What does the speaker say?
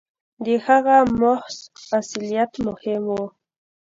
• د هغه محض اصالت مهم و.